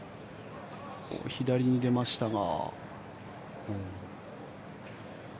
左に出ましたが。